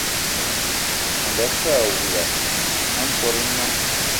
Angakë awula a nkòt nnam